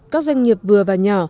các doanh nghiệp vừa và nhỏ